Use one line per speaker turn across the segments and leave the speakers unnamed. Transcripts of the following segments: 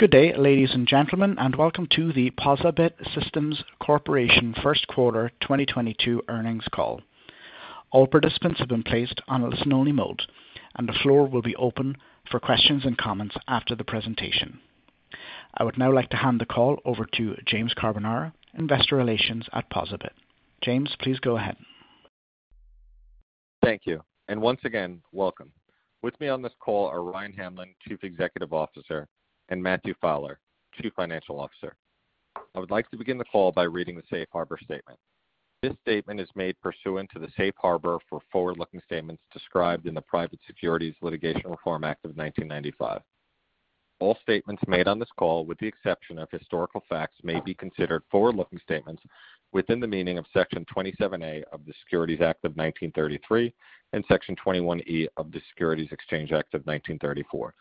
Good day, ladies and gentlemen, and welcome to the POSaBIT Systems Corporation Q1 2022 earnings call. All participants have been placed on a listen-only mode, and the floor will be open for questions and comments after the presentation. I would now like to hand the call over to James Carbonara, Investor Relations at POSaBIT. James, please go ahead.
Thank you. Once again, welcome. With me on this call are Ryan Hamlin, Chief Executive Officer, and Matthew Fowler, Chief Financial Officer. I would like to begin the call by reading the safe harbor statement. This statement is made pursuant to the Safe Harbor for forward-looking statements described in the Private Securities Litigation Reform Act of 1995. All statements made on this call, with the exception of historical facts, may be considered forward-looking statements within the meaning of Section 27A of the Securities Act of 1933 and Section 21E of the Securities Exchange Act of 1934.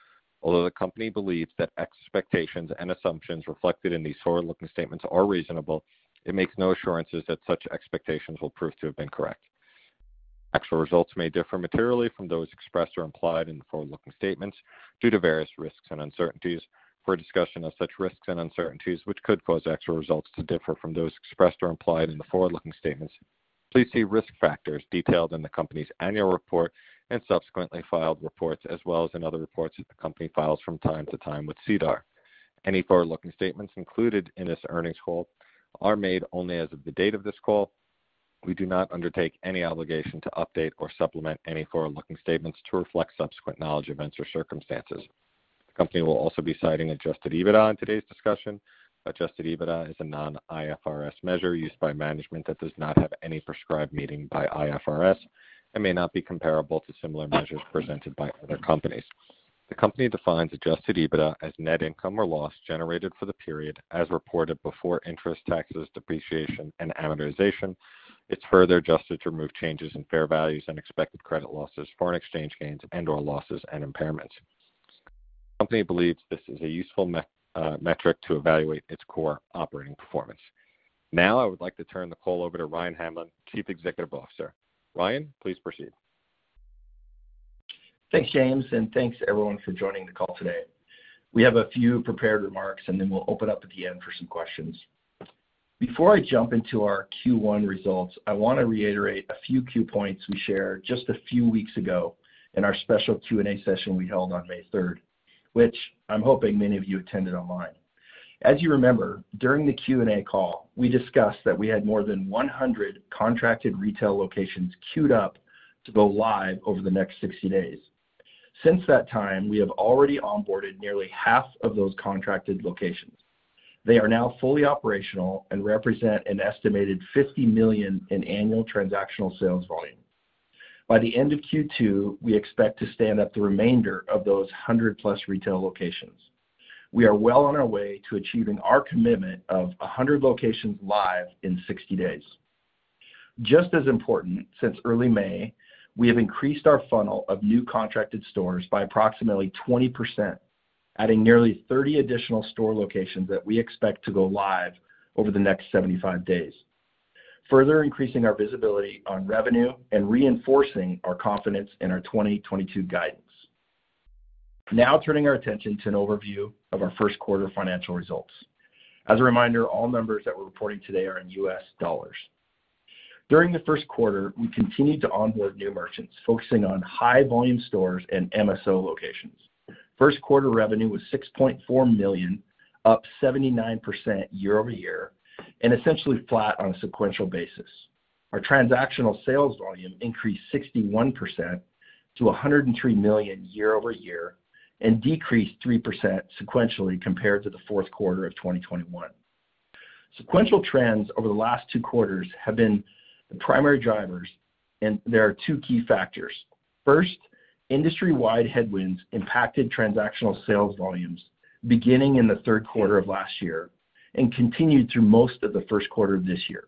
Although the Company believes that expectations and assumptions reflected in these forward-looking statements are reasonable, it makes no assurances that such expectations will prove to have been correct. Actual results may differ materially from those expressed or implied in the forward-looking statements due to various risks and uncertainties. For a discussion of such risks and uncertainties, which could cause actual results to differ from those expressed or implied in the forward-looking statements, please see risk factors detailed in the Company's annual report and subsequently filed reports, as well as in other reports that the Company files from time to time with SEDAR. Any forward-looking statements included in this earnings call are made only as of the date of this call. We do not undertake any obligation to update or supplement any forward-looking statements to reflect subsequent knowledge, events, or circumstances. The Company will also be citing Adjusted EBITDA in today's discussion. Adjusted EBITDA is a non-IFRS measure used by management that does not have any prescribed meaning by IFRS and may not be comparable to similar measures presented by other companies. The Company defines adjusted EBITDA as net income or loss generated for the period as reported before interest, taxes, depreciation, and amortization. It's further adjusted to remove changes in fair values and expected credit losses, foreign exchange gains and/or losses, and impairments. The Company believes this is a useful metric to evaluate its core operating performance. Now, I would like to turn the call over to Ryan Hamlin, Chief Executive Officer. Ryan, please proceed.
Thanks, James, and thanks everyone for joining the call today. We have a few prepared remarks, and then we'll open up at the end for some questions. Before I jump into our Q1 results, I wanna reiterate a few key points we shared just a few weeks ago in our special Q&A session we held on May third, which I'm hoping many of you attended online. As you remember, during the Q&A call, we discussed that we had more than 100 contracted retail locations queued up to go live over the next 60 days. Since that time, we have already onboarded nearly half of those contracted locations. They are now fully operational and represent an estimated $50 million in annual transactional sales volume. By the end of Q2, we expect to stand up the remainder of those 100-plus retail locations. We are well on our way to achieving our commitment of 100 locations live in 60 days. Just as important, since early May, we have increased our funnel of new contracted stores by approximately 20%, adding nearly 30 additional store locations that we expect to go live over the next 75 days, further increasing our visibility on revenue and reinforcing our confidence in our 2022 guidance. Now turning our attention to an overview of our Q1 financial results. As a reminder, all numbers that we're reporting today are in US dollars. During the Q1, we continued to onboard new merchants, focusing on high-volume stores and MSO locations. Q1 revenue was $6.4 million, up 79% year-over-year, and essentially flat on a sequential basis. Our transactional sales volume increased 61% to $103 million year-over-year and decreased 3% sequentially compared to the fourth quarter of 2021. Sequential trends over the last two quarters have been the primary drivers, and there are two key factors. First, industry-wide headwinds impacted transactional sales volumes beginning in the Q3 of last year and continued through most of the Q1 of this year.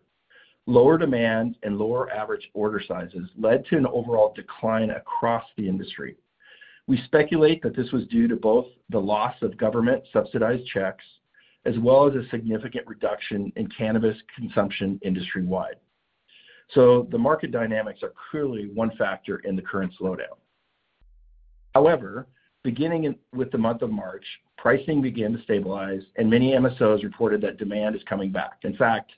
Lower demand and lower average order sizes led to an overall decline across the industry. We speculate that this was due to both the loss of government-subsidized checks as well as a significant reduction in cannabis consumption industry-wide. The market dynamics are clearly one factor in the current slowdown. However, beginning with the month of March, pricing began to stabilize, and many MSOs reported that demand is coming back. In fact,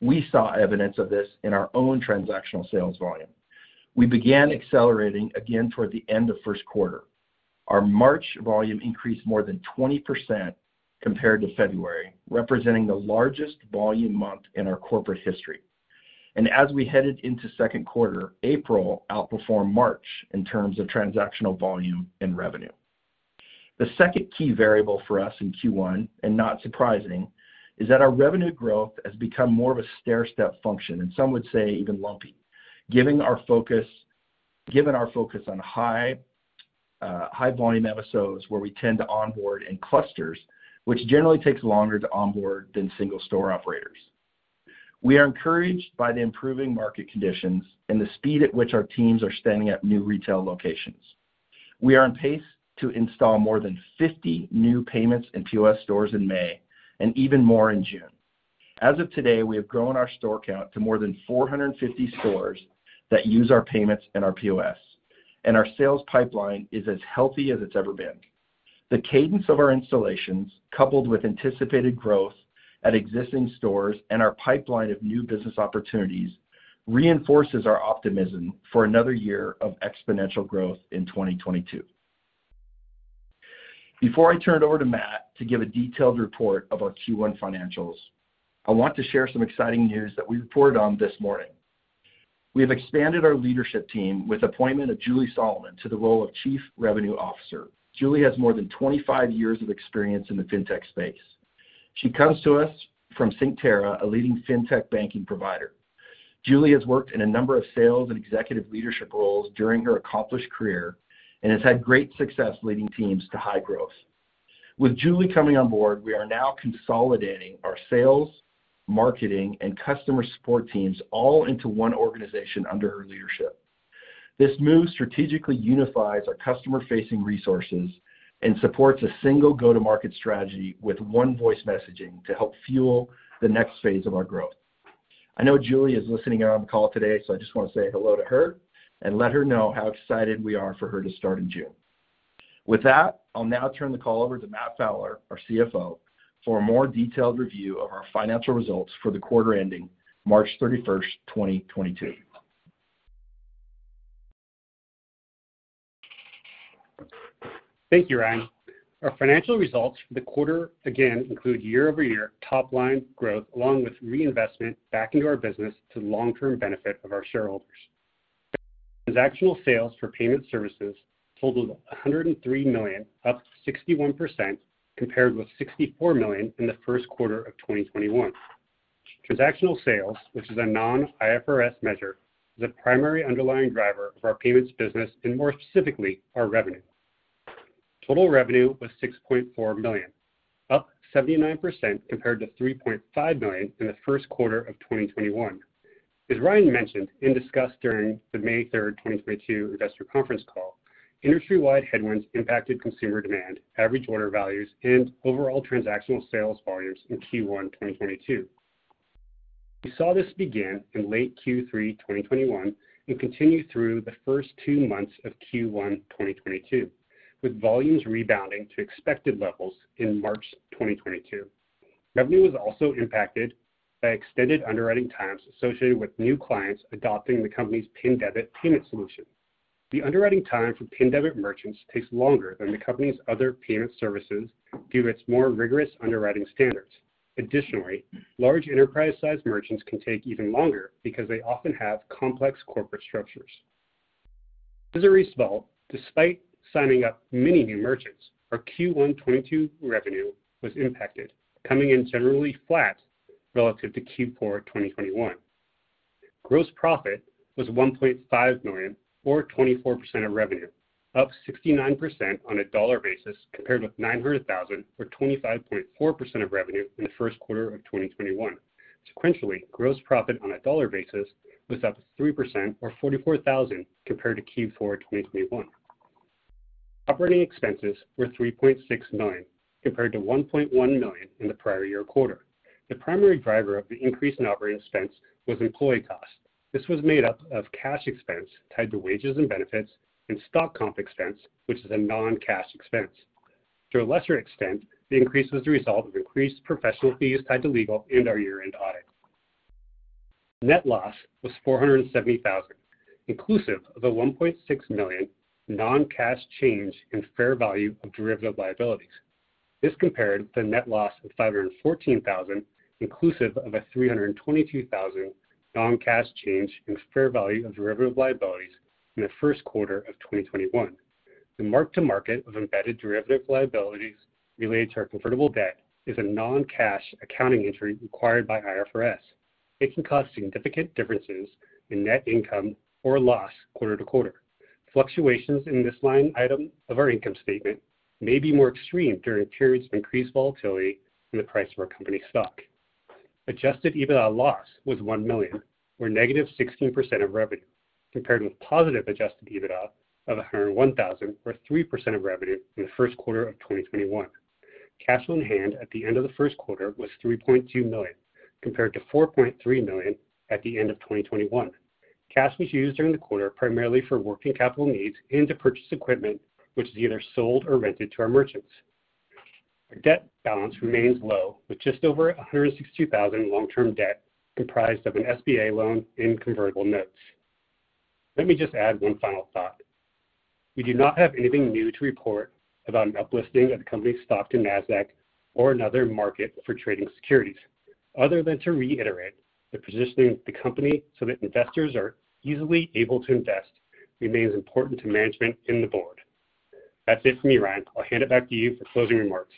we saw evidence of this in our own transactional sales volume. We began accelerating again toward the end of Q1. Our March volume increased more than 20% compared to February, representing the largest volume month in our corporate history. As we headed into Q2, April outperformed March in terms of transactional volume and revenue. The second key variable for us in Q1, and not surprising, is that our revenue growth has become more of a stairstep function, and some would say even lumpy. Given our focus on high-volume MSOs, where we tend to onboard in clusters, which generally takes longer to onboard than single store operators. We are encouraged by the improving market conditions and the speed at which our teams are standing up new retail locations. We are on pace to install more than 50 new payments in POS stores in May and even more in June. As of today, we have grown our store count to more than 450 stores that use our payments and our POS, and our sales pipeline is as healthy as it's ever been. The cadence of our installations, coupled with anticipated growth at existing stores and our pipeline of new business opportunities, reinforces our optimism for another year of exponential growth in 2022. Before I turn it over to Matt to give a detailed report of our Q1 financials, I want to share some exciting news that we reported on this morning. We have expanded our leadership team with appointment of Julie Solomon to the role of Chief Revenue Officer. Julie has more than 25 years of experience in the fintech space. She comes to us from Synctera, a leading fintech banking provider. Julie has worked in a number of sales and executive leadership roles during her accomplished career, and has had great success leading teams to high growth. With Julie coming on board, we are now consolidating our sales, marketing, and customer support teams all into one organization under her leadership. This move strategically unifies our customer-facing resources and supports a single go-to-market strategy with one voice messaging to help fuel the next phase of our growth. I know Julie is listening in on the call today, so I just want to say hello to her and let her know how excited we are for her to start in June. With that, I'll now turn the call over to Matt Fowler, our CFO, for a more detailed review of our financial results for the quarter ending March 31, 2022.
Thank you, Ryan. Our financial results for the quarter again include year-over-year top line growth along with reinvestment back into our business to the long-term benefit of our shareholders. Transactional sales for payment services totaled $103 million, up 61% compared with $64 million in the Q1 of 2021. Transactional sales, which is a non-IFRS measure, is a primary underlying driver of our payments business and more specifically, our revenue. Total revenue was $6.4 million, up 79% compared to $3.5 million in the Q1 of 2021. As Ryan mentioned and discussed during the May 3, 2022 investor conference call, industry-wide headwinds impacted consumer demand, average order values, and overall transactional sales volumes in Q1, 2022. We saw this begin in late Q3 2021 and continue through the first two months of Q1 2022, with volumes rebounding to expected levels in March 2022. Revenue was also impacted by extended underwriting times associated with new clients adopting the company's PIN debit payment solution. The underwriting time for PIN debit merchants takes longer than the company's other payment services due to its more rigorous underwriting standards. Additionally, large enterprise-sized merchants can take even longer because they often have complex corporate structures. As a result, despite signing up many new merchants, our Q1 2022 revenue was impacted, coming in generally flat relative to Q4 2021. Gross profit was $1.5 million or 24% of revenue, up 69% on a dollar basis compared with $900,000 or 25.4% of revenue in the Q1 of 2021. Sequentially, gross profit on a dollar basis was up 3% or $44,000 compared to Q4 2021. Operating expenses were $3.69 million compared to $1.1 million in the prior year quarter. The primary driver of the increase in operating expense was employee costs. This was made up of cash expense tied to wages and benefits and stock comp expense, which is a non-cash expense. To a lesser extent, the increase was a result of increased professional fees tied to legal and our year-end audit. Net loss was $470,000, inclusive of a $1.6 million non-cash change in fair value of derivative liabilities. This compared to the net loss of $514,000 inclusive of a $322,000 non-cash change in fair value of derivative liabilities in the Q1 of 2021. The mark to market of embedded derivative liabilities related to our convertible debt is a non-cash accounting entry required by IFRS. It can cause significant differences in net income or loss quarter to quarter. Fluctuations in this line item of our income statement may be more extreme during periods of increased volatility in the price of our company stock. Adjusted EBITDA loss was $1 million or -16% of revenue, compared with positive adjusted EBITDA of $101,000 or 3% of revenue in the Q1 of 2021. Cash on hand at the end of the Q1 was $3.2 million, compared to $4.3 million at the end of 2021. Cash was used during the quarter primarily for working capital needs and to purchase equipment which is either sold or rented to our merchants. Our debt balance remains low with just over $162,000 in long-term debt comprised of an SBA loan and convertible notes. Let me just add one final thought. We do not have anything new to report about an uplisting of the company's stock to Nasdaq or another market for trading securities. Other than to reiterate that positioning the company so that investors are easily able to invest remains important to management and the board. That's it for me, Ryan. I'll hand it back to you for closing remarks.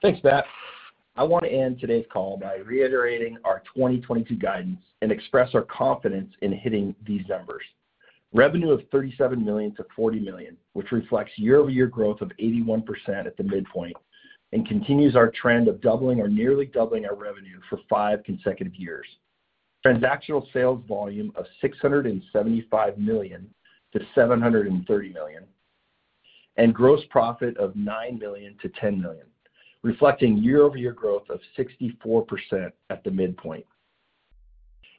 Thanks, Matt. I want to end today's call by reiterating our 2022 guidance and express our confidence in hitting these numbers. Revenue of $37 million-$40 million, which reflects year-over-year growth of 81% at the midpoint and continues our trend of doubling or nearly doubling our revenue for five consecutive years. Transactional sales volume of $675 million-$730 million, and gross profit of $9 million-$10 million, reflecting year-over-year growth of 64% at the midpoint.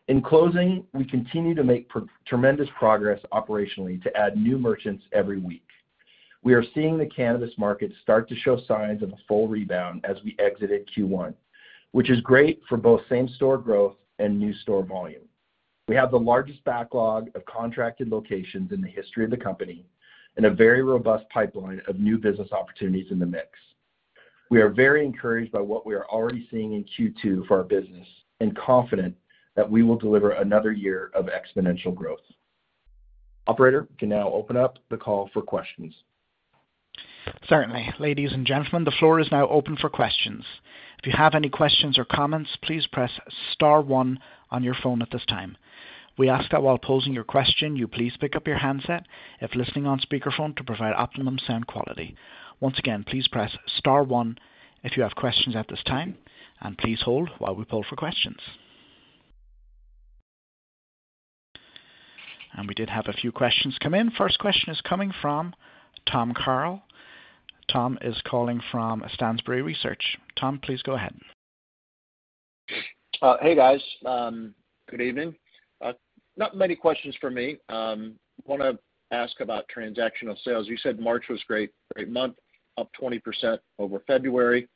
In closing, we continue to make tremendous progress operationally to add new merchants every week. We are seeing the cannabis market start to show signs of a full rebound as we exited Q1, which is great for both same-store growth and new store volume. We have the largest backlog of contracted locations in the history of the company and a very robust pipeline of new business opportunities in the mix. We are very encouraged by what we are already seeing in Q2 for our business and confident that we will deliver another year of exponential growth. Operator, you can now open up the call for questions.
Certainly. Ladies and gentlemen, the floor is now open for questions. If you have any questions or comments, please press star one on your phone at this time. We ask that while posing your question, you please pick up your handset if listening on speakerphone to provide optimum sound quality. Once again, please press star one if you have questions at this time, and please hold while we poll for questions. We did have a few questions come in. First question is coming from Thomas Carroll. Thom is calling from Stansberry Research. Tom, please go ahead.
Hey, guys. Good evening. Not many questions for me. Wanna ask about transactional sales. You said March was great month, up 20% over February.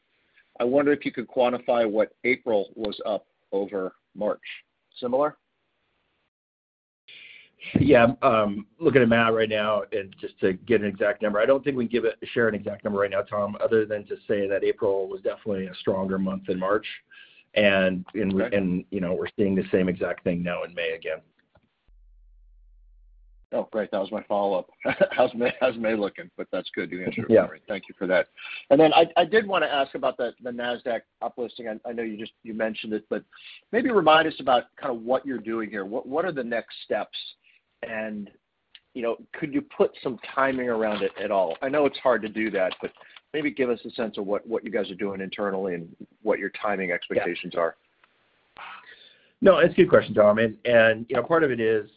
I wonder if you could quantify what April was up over March. Similar?
Yeah. Looking at Matt right now and just to get an exact number. I don't think we'd share an exact number right now, Thom, other than just say that April was definitely a stronger month than March, and you know, we're seeing the same exact thing now in May again.
Oh, great. That was my follow-up. How's May looking? But that's good, you answered it for me.
Yeah.
Thank you for that. I did wanna ask about the Nasdaq uplisting. I know you mentioned it, but maybe remind us about kinda what you're doing here. What are the next steps? You know, could you put some timing around it at all? I know it's hard to do that, but maybe give us a sense of what you guys are doing internally and what your timing expectations are.
No, it's a good question, Thom. You know, part of it is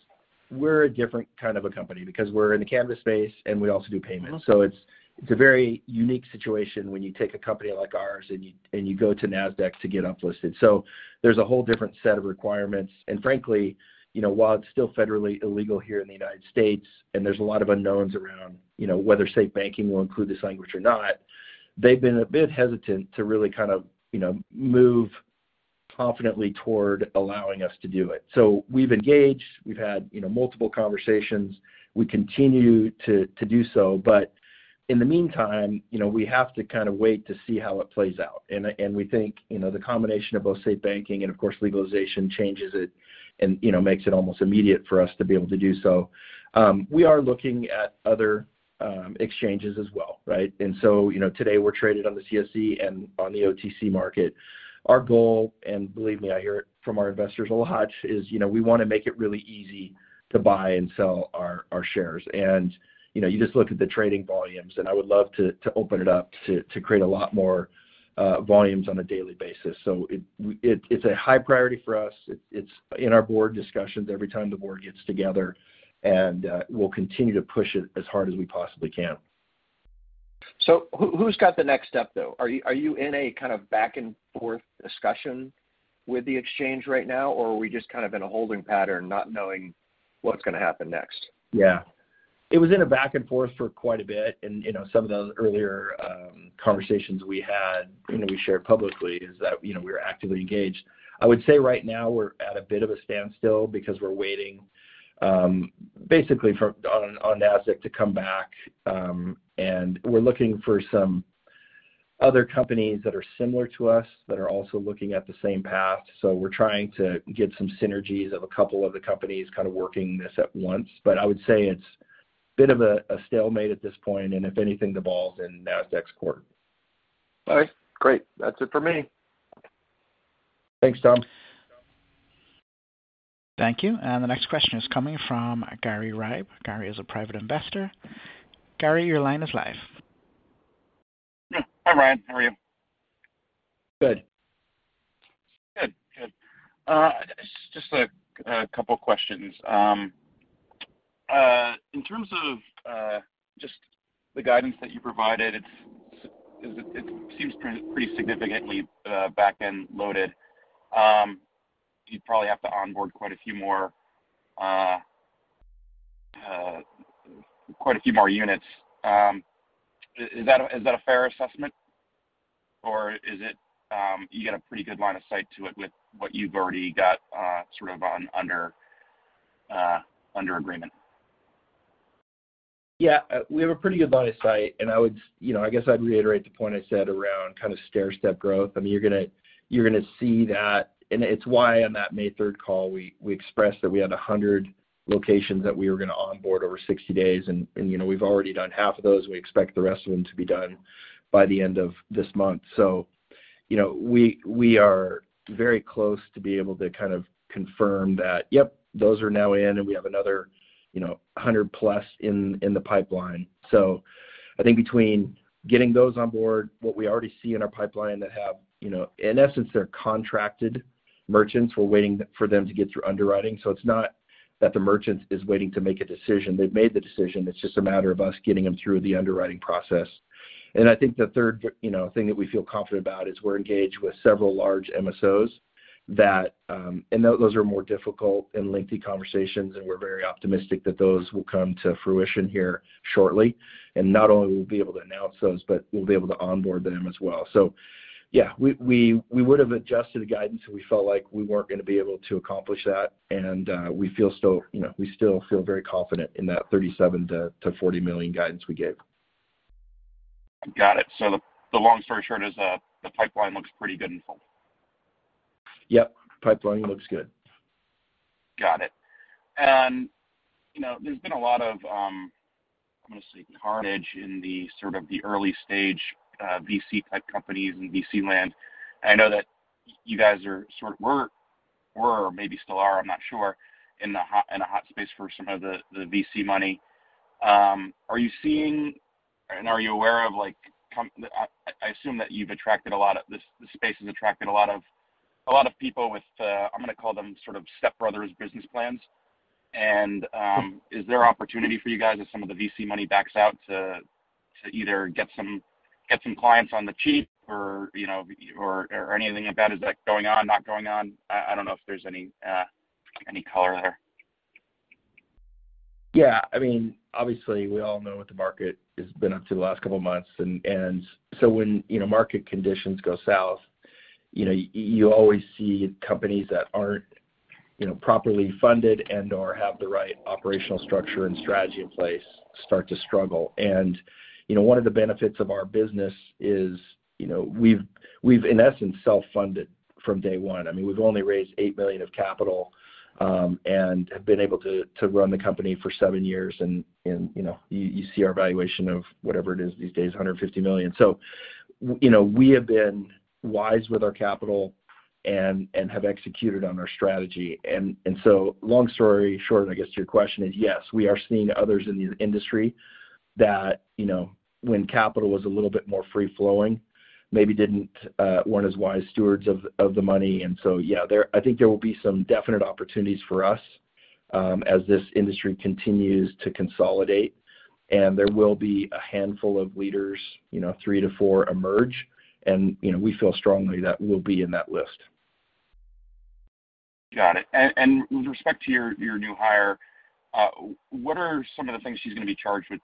we're a different kind of a company because we're in the cannabis space, and we also do payments. It's a very unique situation when you take a company like ours and you go to Nasdaq to get uplisted. There's a whole different set of requirements. Frankly, you know, while it's still federally illegal here in the United States, and there's a lot of unknowns around, you know, whether state banking will include this language or not, they've been a bit hesitant to really kind of, you know, move confidently toward allowing us to do it. We've engaged, we've had, you know, multiple conversations. We continue to do so, but in the meantime, you know, we have to kind of wait to see how it plays out. We think, you know, the combination of both state banking and, of course, legalization changes it and, you know, makes it almost immediate for us to be able to do so. We are looking at other exchanges as well, right? You know, today we're traded on the CSE and on the OTC market. Our goal, and believe me, I hear it from our investors a lot, is, you know, we wanna make it really easy to buy and sell our shares. You know, you just look at the trading volumes, and I would love to open it up to create a lot more volumes on a daily basis. It's a high priority for us. It's in our board discussions every time the board gets together, and we'll continue to push it as hard as we possibly can.
Who, who's got the next step, though? Are you in a kind of back and forth discussion with the exchange right now, or are we just kind of in a holding pattern, not knowing what's gonna happen next?
Yeah. It was in a back and forth for quite a bit. You know, some of the earlier conversations we had, you know, we shared publicly is that, you know, we're actively engaged. I would say right now we're at a bit of a standstill because we're waiting basically on Nasdaq to come back. We're looking for some other companies that are similar to us that are also looking at the same path. We're trying to get some synergies of a couple of the companies kind of working this at once. I would say it's a bit of a stalemate at this point, and if anything, the ball's in Nasdaq's court.
All right. Great. That's it for me.
Thanks, Tom.
Thank you. The next question is coming from Gary Ripe. Gary is a private investor. Gary, your line is live.
Hi, Ryan. How are you?
Good.
Good. Good. Just a couple questions. In terms of just the guidance that you provided, it seems pretty significantly back-end loaded. You probably have to onboard quite a few more units. Is that a fair assessment, or is it you got a pretty good line of sight to it with what you've already got, sort of under agreement?
Yeah. We have a pretty good line of sight, and I would, you know, I guess I'd reiterate the point I said around kind of stairstep growth. I mean, you're gonna see that, and it's why on that May third call, we expressed that we had 100 locations that we were gonna onboard over 60 days. You know, we've already done half of those. We expect the rest of them to be done by the end of this month. You know, we are very close to be able to kind of confirm that, yep, those are now in, and we have another, you know, 100 plus in the pipeline. I think between getting those on board, what we already see in our pipeline that have, you know, in essence, they're contracted merchants. We're waiting for them to get through underwriting. It's not that the merchant is waiting to make a decision. They've made the decision. It's just a matter of us getting them through the underwriting process. I think the third, you know, thing that we feel confident about is we're engaged with several large MSOs that, and those are more difficult and lengthy conversations, and we're very optimistic that those will come to fruition here shortly. Not only will we be able to announce those, but we'll be able to onboard them as well. Yeah, we would have adjusted the guidance if we felt like we weren't gonna be able to accomplish that, and we feel still, you know, we still feel very confident in that $37 million-$40 million guidance we gave.
Got it. The long story short is, the pipeline looks pretty good and full.
Yep, pipeline looks good.
Got it. You know, there's been a lot of, I'm gonna say carnage in the sort of the early stage, VC type companies in VC land. I know that you guys were or maybe still are, I'm not sure, in a hot space for some of the VC money. Are you seeing and are you aware of, I assume that you've attracted a lot of. This space has attracted a lot of people with, I'm gonna call them sort of stepbrothers business plans. Is there opportunity for you guys as some of the VC money backs out to either get some clients on the cheap or, you know, or anything like that? Is that going on, not going on? I don't know if there's any color there.
Yeah. I mean, obviously we all know what the market has been up to the last couple of months and so when, you know, market conditions go south, you know, you always see companies that aren't, you know, properly funded and or have the right operational structure and strategy in place start to struggle. You know, one of the benefits of our business is, you know, we've in essence self-funded from day one. I mean, we've only raised $8 million of capital and have been able to to run the company for seven years. You know, you see our valuation of whatever it is these days, $150 million. You know, we have been wise with our capital and have executed on our strategy. Long story short, I guess your question is, yes, we are seeing others in the industry that, you know, when capital was a little bit more free flowing, maybe didn't weren't as wise stewards of the money. Yeah, there I think there will be some definite opportunities for us, as this industry continues to consolidate, and there will be a handful of leaders, you know, three to four emerge and, you know, we feel strongly that we'll be in that list.
Got it. With respect to your new hire, what are some of the things she's gonna be charged with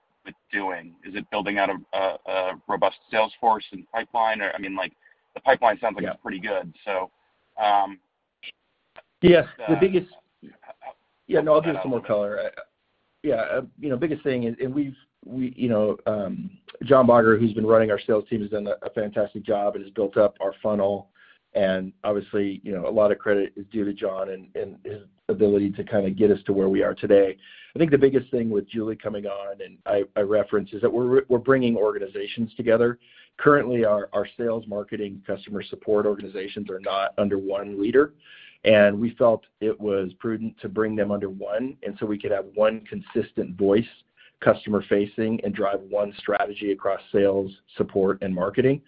doing? Is it building out a robust sales force and pipeline? I mean, like, the pipeline sounds like it's pretty good.
Yeah.
How
Yeah, no, I'll give some more color. Yeah. You know, biggest thing is, and we've you know, Jon Baugher, who's been running our sales team, has done a fantastic job and has built up our funnel. Obviously, you know, a lot of credit is due to Jon and his ability to kind of get us to where we are today. I think the biggest thing with Julie coming on, and I reference, is that we're bringing organizations together. Currently, our sales, marketing, customer support organizations are not under one leader, and we felt it was prudent to bring them under one and so we could have one consistent voice, customer facing, and drive one strategy across sales, support and marketing.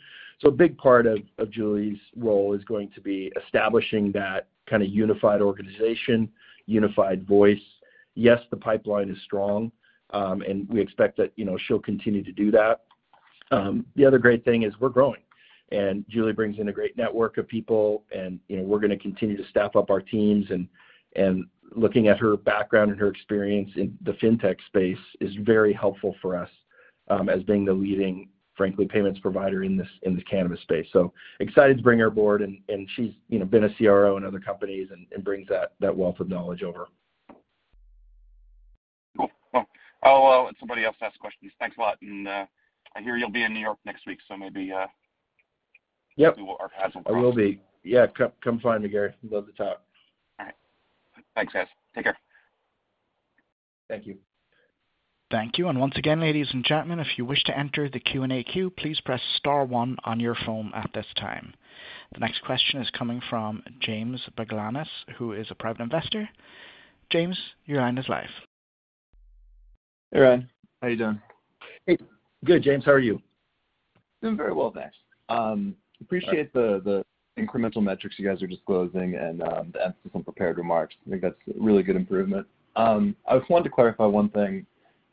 A big part of Julie's role is going to be establishing that kind of unified organization, unified voice. Yes, the pipeline is strong, and we expect that, you know, she'll continue to do that. The other great thing is we're growing, and Julie brings in a great network of people and, you know, we're gonna continue to staff up our teams. Looking at her background and her experience in the Fintech space is very helpful for us, as being the leading, frankly, payments provider in this, in the cannabis space. Excited to bring her aboard, and she's, you know, been a CRO in other companies and brings that wealth of knowledge over.
Cool. Well, I'll let somebody else ask questions. Thanks a lot. I hear you'll be in New York next week, so maybe.
Yep
Our paths will cross.
I will be. Yeah, come find me, Gary. I'd love to talk.
All right. Thanks, guys. Take care.
Thank you.
Thank you. Once again, ladies and gentlemen, if you wish to enter the Q&A queue, please press star one on your phone at this time. The next question is coming from James Baglanis, who is a private investor. James, your line is live.
Hey, Ryan. How you doing?
Hey. Good, James. How are you?
Doing very well, thanks. Appreciate the incremental metrics you guys are disclosing and the emphasis on prepared remarks. I think that's a really good improvement. I just wanted to clarify one thing.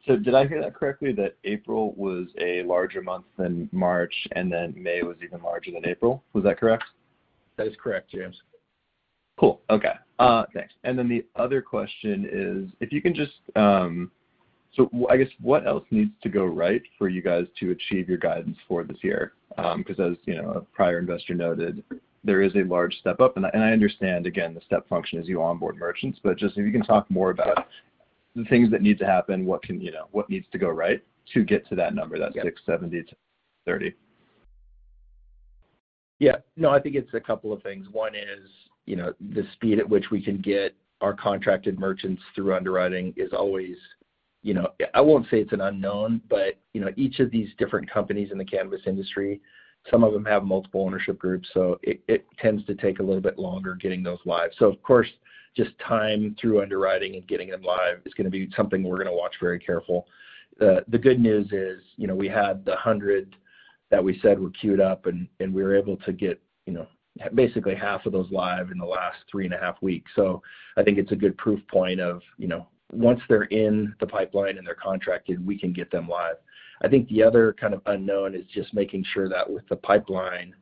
Did I hear that correctly that April was a larger month than March, and then May was even larger than April? Was that correct?
That is correct, James.
Cool. Okay. Thanks. The other question is, if you can just, I guess what else needs to go right for you guys to achieve your guidance for this year? 'Cause as you know, a prior investor noted, there is a large step up and I understand again, the step function as you onboard merchants, but just if you can talk more about the things that need to happen, you know, what needs to go right to get to that number, $670-$730.
Yeah. No, I think it's a couple of things. One is, you know, the speed at which we can get our contracted merchants through underwriting is always, you know. I won't say it's an unknown, but, you know, each of these different companies in the cannabis industry, some of them have multiple ownership groups, so it tends to take a little bit longer getting those live. So of course, just time through underwriting and getting them live is gonna be something we're gonna watch very careful. The good news is, you know, we had the 100 that we said were queued up, and we were able to get, you know, basically half of those live in the last 3.5 weeks. So I think it's a good proof point of, you know, once they're in the pipeline and they're contracted, we can get them live. I think the other kind of unknown is just making sure that with the pipeline,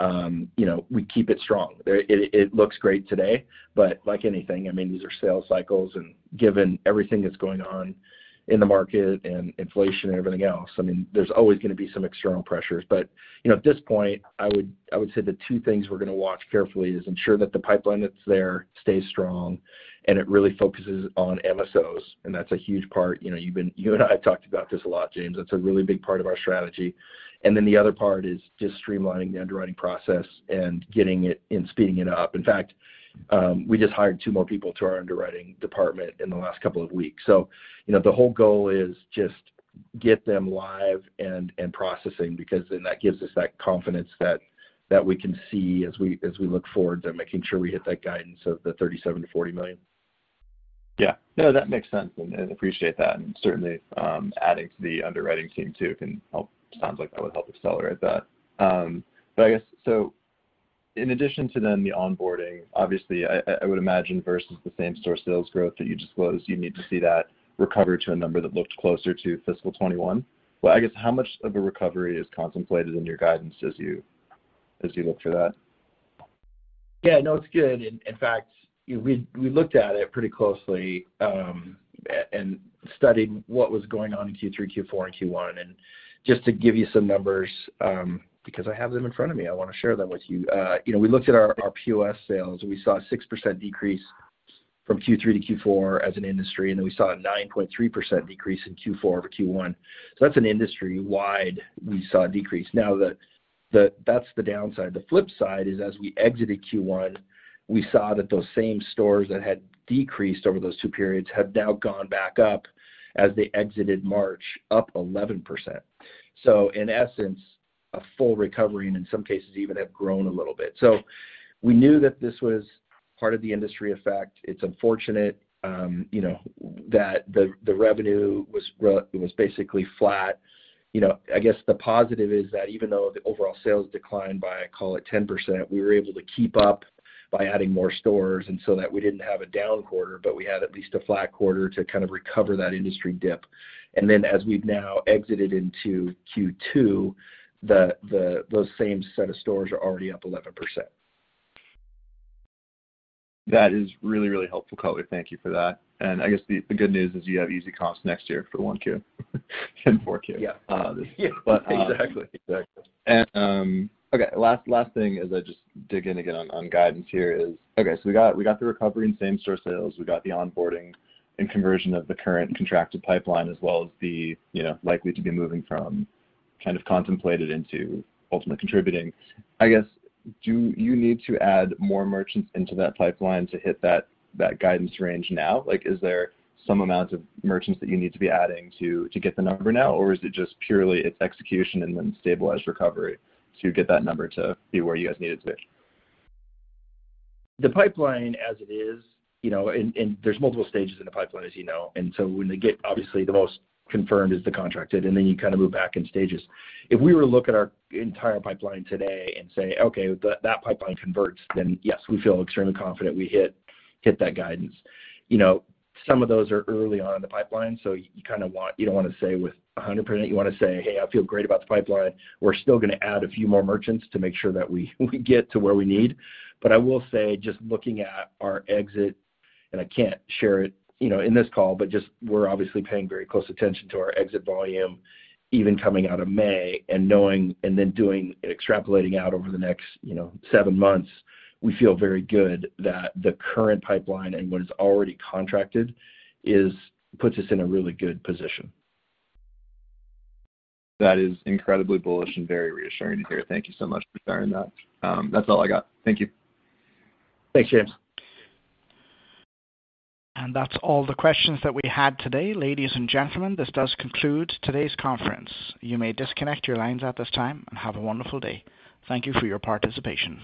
you know, we keep it strong. It looks great today, but like anything, I mean, these are sales cycles, and given everything that's going on in the market and inflation and everything else, I mean, there's always gonna be some external pressures. You know, at this point, I would say the two things we're gonna watch carefully is ensure that the pipeline that's there stays strong and it really focuses on MSOs, and that's a huge part. You and I have talked about this a lot, James. That's a really big part of our strategy. The other part is just streamlining the underwriting process and getting it and speeding it up. In fact, we just hired two more people to our underwriting department in the last couple of weeks. You know, the whole goal is just get them live and processing because then that gives us that confidence that we can see as we look forward to making sure we hit that guidance of the $37 million-$40 million.
Yeah. No, that makes sense, and appreciate that. Certainly, adding to the underwriting team too can help. Sounds like that would help accelerate that. In addition to then the onboarding, obviously I would imagine versus the same-store sales growth that you disclosed, you need to see that recover to a number that looked closer to fiscal 2021. I guess how much of a recovery is contemplated in your guidance as you look for that?
Yeah. No, it's good. In fact, we looked at it pretty closely and studied what was going on in Q3, Q4, and Q1. Just to give you some numbers, because I have them in front of me, I wanna share them with you. You know, we looked at our POS sales, and we saw a 6% decrease from Q3 to Q4 as an industry, and then we saw a 9.3% decrease in Q4 over Q1. That's an industry wide we saw a decrease. Now that's the downside. The flip side is, as we exited Q1, we saw that those same stores that had decreased over those two periods have now gone back up as they exited March, up 11%. In essence, a full recovery and in some cases even have grown a little bit. We knew that this was part of the industry effect. It's unfortunate, you know, that the revenue was basically flat. You know, I guess the positive is that even though the overall sales declined by, call it, 10%, we were able to keep up by adding more stores and so that we didn't have a down quarter, but we had at least a flat quarter to kind of recover that industry dip. Then as we've now exited into Q2, those same set of stores are already up 11%.
That is really, really helpful, Ryan Hamlin. Thank you for that. I guess the good news is you have easy comps next year for Q1 and Q4.
Yeah. Exactly.
Exactly. Okay. Last thing as I just dig in again on guidance here is, okay, so we got the recovery in same-store sales. We got the onboarding and conversion of the current contracted pipeline as well as the, you know, likely to be moving from kind of contemplated into ultimate contributing. I guess, do you need to add more merchants into that pipeline to hit that guidance range now? Like, is there some amount of merchants that you need to be adding to get the number now? Or is it just purely it's execution and then stabilized recovery to get that number to be where you guys need it to be?
The pipeline as it is, you know, and there's multiple stages in the pipeline, as you know. When they get obviously the most confirmed is the contracted, and then you kind of move back in stages. If we were to look at our entire pipeline today and say, "Okay, that pipeline converts," then yes, we feel extremely confident we hit that guidance. You know, some of those are early on in the pipeline, so you kinda want, you don't wanna say with 100%, you wanna say, "Hey, I feel great about the pipeline. We're still gonna add a few more merchants to make sure that we get to where we need. I will say, just looking at our exit, and I can't share it, you know, in this call, but just we're obviously paying very close attention to our exit volume even coming out of May and knowing and then doing extrapolating out over the next, you know, seven months, we feel very good that the current pipeline and what is already contracted is puts us in a really good position.
That is incredibly bullish and very reassuring to hear. Thank you so much for sharing that. That's all I got. Thank you.
Thanks, James.
That's all the questions that we had today. Ladies and gentlemen, this does conclude today's conference. You may disconnect your lines at this time, and have a wonderful day. Thank you for your participation.